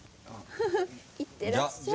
フフ行ってらっしゃい。